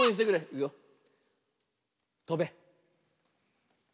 いくよ。とべ。